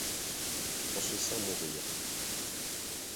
On se sent mourir.